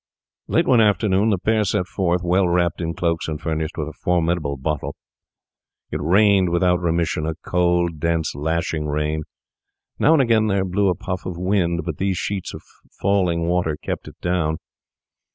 Late one afternoon the pair set forth, well wrapped in cloaks and furnished with a formidable bottle. It rained without remission—a cold, dense, lashing rain. Now and again there blew a puff of wind, but these sheets of falling water kept it down.